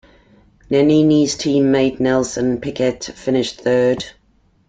Nannini's team-mate Nelson Piquet finished third.